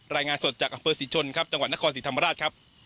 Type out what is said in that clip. รายงานสดจากอำเภอศรีชนครับจังหวัดนครศรีธรรมราชครับ